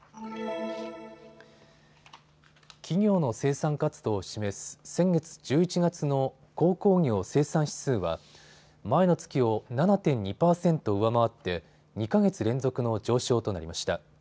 企業の生産活動を示す先月１１月の鉱工業生産指数は前の月を７．２％上回って２か月連続の上昇となりました。